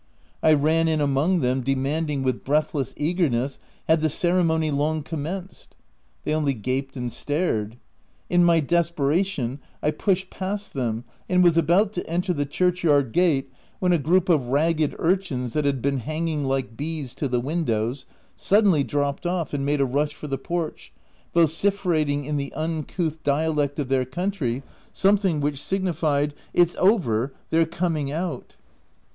I ran in among them, demanding, with breathless eagerness, had the ceremony long commenced ? They only gaped and stared. In my desperation I pushed past them, and was about to enter the church yard gate, when a group of ragged urchins, that had been hanging like bees to the windows, suddenly dropped off and made a rush for the porch, vociferating in the uncooth dialect of their country, something which signified, u It's over — they're coming out